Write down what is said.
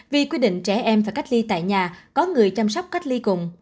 vì quy định trẻ em phải cách ly tại nhà có người chăm sóc cách ly cùng